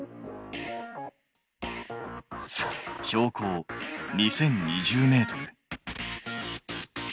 標高２０２０ｍ。